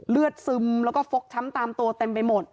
ซึมแล้วก็ฟกช้ำตามตัวเต็มไปหมด